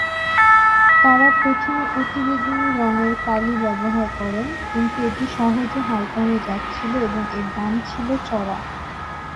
তারা প্রথমে অতিবেগুনী রঙের কালি ব্যবহার করেন কিন্তু এটি সহজে হালকা হয়ে যাচ্ছিল এবং এর দাম ছিল চড়া।